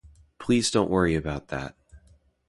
Please don’t worry about that.